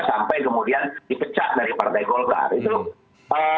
sampai kemudian dipecat dari partai golkar